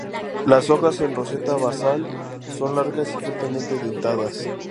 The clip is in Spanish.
Las hojas en una roseta basal son largas y fuertemente dentadas.